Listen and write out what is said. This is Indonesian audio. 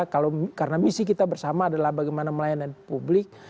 kalau karena misi kita bersama adalah bagaimana melayanan publik